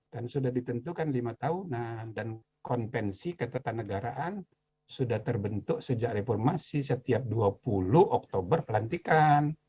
dan sudah ditentukan lima tahunan dan konvensi ketetanegaraan sudah terbentuk sejak reformasi setiap dua puluh oktober pelantikan